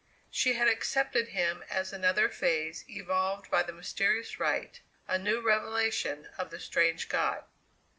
She had accepted him as another phase evolved by the mysterious rite a new revelation of the strange god.